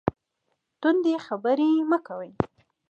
تندې خبرې مه کوئ